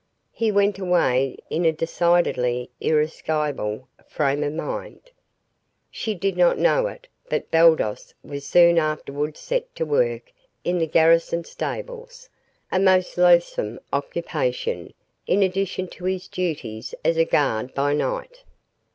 He went away in a decidedly irascible frame of mind. She did not know it, but Baldos was soon afterward set to work in the garrison stables, a most loathsome occupation, in addition to his duties as a guard by night.